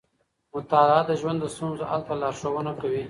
مطالعه د ژوند د ستونزو حل ته لارښونه کوي.